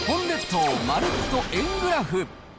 日本列島まるっと円グラフ。